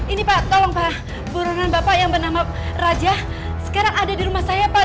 ini pak tolong pak buronan bapak yang bernama raja sekarang ada di rumah saya pak